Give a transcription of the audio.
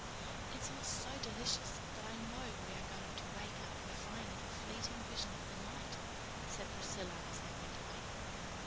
"It's all so delicious that I know we are going to wake up and find it a fleeting vision of the night," said Priscilla as they went away.